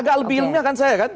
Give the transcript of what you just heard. agak lebih ilmiah kan saya kan